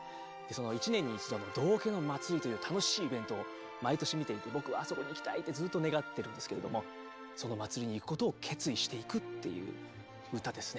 １年に１度の道化の祭りという楽しいイベントを毎年見ていて僕はあそこに行きたいってずっと願ってるんですけれどもその祭りに行くことを決意していくっていう歌ですね。